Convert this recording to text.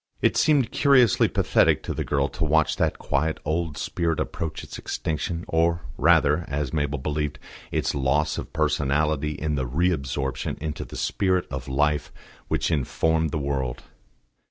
It seemed curiously pathetic to the girl to watch that quiet old spirit approach its extinction, or rather, as Mabel believed, its loss of personality in the reabsorption into the Spirit of Life which informed the world.